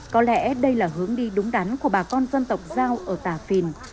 có lẽ đây là hướng đi đúng đắn của bà con dân tộc dao ở tả phìn